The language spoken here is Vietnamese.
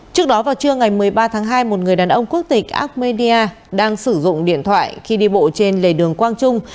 trước đó vào trưa ngày một mươi ba tháng hai một người đàn ông quốc tịch armenia đang sử dụng điện thoại khi đi bộ trên lề đường quang trung